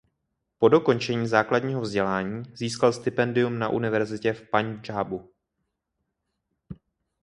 Po dokončení základního vzdělání získal stipendium na univerzitě v Paňdžábu.